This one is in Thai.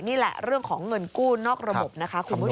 นี่แหละเรื่องของเงินกู้นอกระบบนะคะคุณผู้ชม